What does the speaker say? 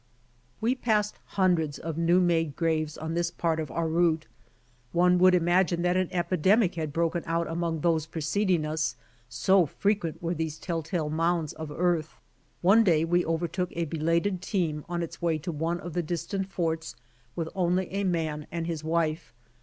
We passed hundreds of new made graves on this part of our route. One would imagine that an epidemic had broken out among those preceding us, so fre quent were these tell tale mounds of earth. One day we overtook a belated team on its way to one of the distant forts with only a man and his wife.